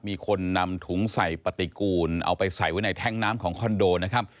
มีคนนำถุงใส่ปฏิกูลเอาไปใส่ไว้ในแท้งน้ำของคอนโดนะครับ